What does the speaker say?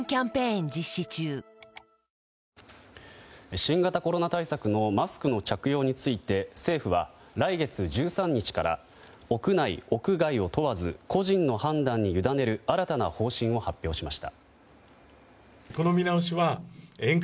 新型コロナ対策のマスクの着用について政府は来月１３日から屋内、屋外を問わず個人の判断に委ねる新たな方針を発表しました。